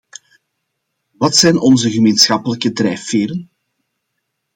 Wat zijn onze gemeenschappelijke drijfveren?